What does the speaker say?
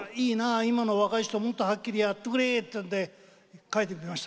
今の若い人もっとはっきりやってくれというんで書いてみました。